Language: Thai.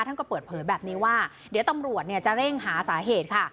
ท่านก็เปิดเผยแบบนี้ว่าเดี๋ยวตำรวจจะเร่งหาสาเหตุค่ะ